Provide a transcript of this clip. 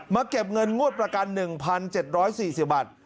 เก็บเงินงวดประกัน๑๗๔๐บาท